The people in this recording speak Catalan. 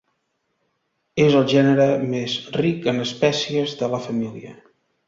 És el gènere més ric en espècies de la família.